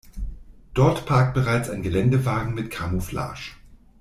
Dort parkt bereits ein Geländewagen mit Camouflage.